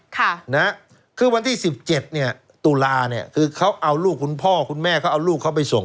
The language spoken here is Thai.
ค่ะนะคือวันที่สิบเจ็ดเนี่ยตุลาเนี่ยคือเขาเอาลูกคุณพ่อคุณแม่เขาเอาลูกเขาไปส่ง